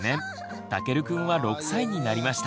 たけるくんは６歳になりました。